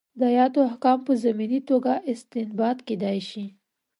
دا ایتونه احکام په ضمني توګه استنباط کېدای شي.